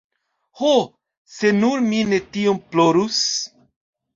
“Ho, se nur mi ne tiom plorus!”